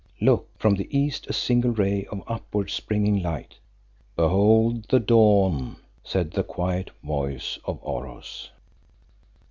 Look! from the east a single ray of upward springing light. "Behold the dawn," said the quiet voice of Oros.